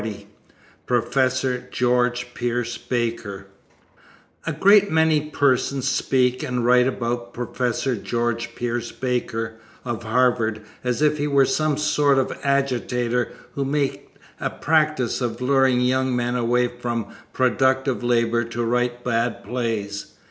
XL PROFESSOR GEORGE PIERCE BAKER A great many persons speak and write about Professor George Pierce Baker, of Harvard, as if he were a sort of agitator who made a practice of luring young men away from productive labor to write bad plays.